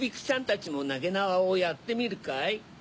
ちゃんたちもなげなわをやってみるかい？